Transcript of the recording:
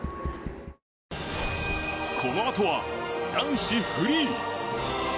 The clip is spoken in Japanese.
このあとは、男子フリー。